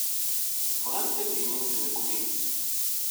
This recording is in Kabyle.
Bɣant ad d-inint nekkni?